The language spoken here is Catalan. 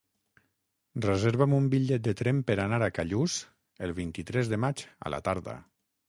Reserva'm un bitllet de tren per anar a Callús el vint-i-tres de maig a la tarda.